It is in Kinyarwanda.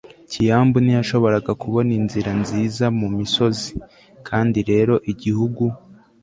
kiambu ntiyashoboraga kubona inzira nziza mumisozi. kandi rero igihugu